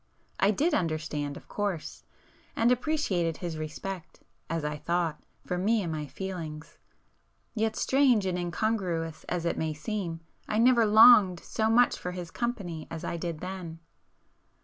I did understand, of course,—and appreciated his respect, as I thought, for me and my feelings,—yet strange and incongruous as it may seem, I never longed so much for his company as I did then!